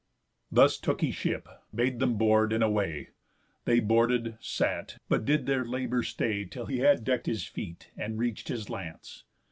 Thus took he ship, bade them board, and away. They boarded, sat, but did their labour stay Till he had deck'd his feet, and reached his lance.